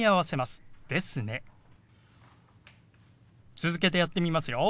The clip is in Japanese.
続けてやってみますよ。